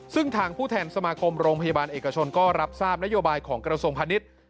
ซึ่งทางผู้แทนสมาคมโรงพยาบาลเอกชนก็รับทราบนโยบายของกระทรวงพาณิชย์